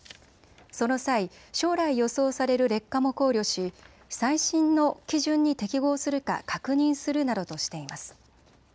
その際、将来予想される劣化も考慮し最新の基準に適合するか確認するなどとしています。